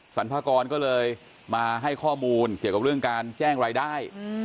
สรรพากรก็เลยมาให้ข้อมูลเกี่ยวกับเรื่องการแจ้งรายได้